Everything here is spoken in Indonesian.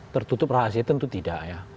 tertutup rahasia tentu tidak ya